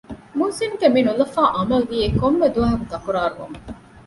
މުހްސިނުގެ މިނުލަފާ އަމަލު ދިޔައީ ކޮންމެ ދުވަހަކު ތަކުރާރު ވަމުން